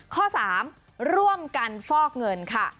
ข้อ๓ร่วมกันฟอกเงินค่ะ